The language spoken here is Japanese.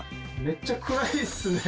めっちゃ暗いですね。